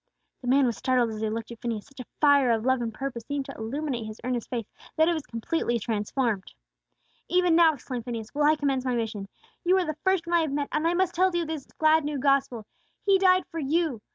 The man was startled as he looked at Phineas; such a fire of love and purpose seemed to illuminate his earnest face that it was completely transformed. "Even now," exclaimed Phineas, "will I commence my mission. You are the first one I have met, and I must tell to you this glad new gospel. He died for you!